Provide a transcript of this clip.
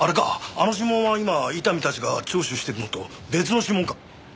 あの指紋は今伊丹たちが聴取してるのと別の指紋か？